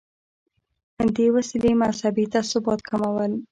دې وسیلې مذهبي تعصبات کمول.